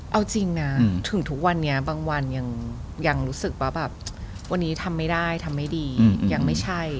เอาจริงนะถึงทุกวันนี้บางวันยังรู้สึกว่าแบบวันนี้ทำไม่ได้ทำไม่ดียังไม่ใช่